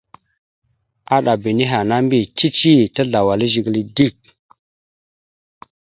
Aɗaba nehe ana mbiyez cici tazlawal e zigəla dik.